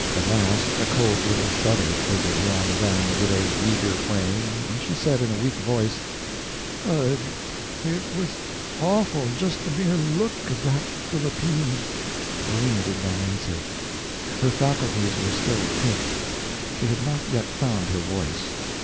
At last a cold little shudder quivered along down the widow's meager frame and she said in a weak voice: "Ugh, it was awful just the mere look of that phillipene!" Rowena did not answer. Her faculties were still caked; she had not yet found her voice.